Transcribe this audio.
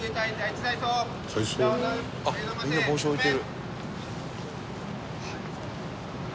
「あっみんな帽子置いてる」